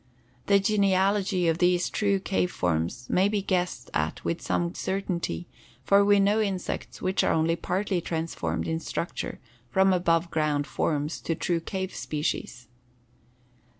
The genealogy of these true cave forms may be guessed at with some certainty, for we know insects which are only partly transformed in structure from above ground forms to true cave species.